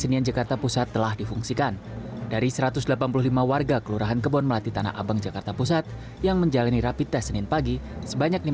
yang hari ini mengikuti rapid test